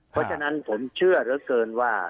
เพราะฉะนั้นผมเชื่อเหลือเกินว่า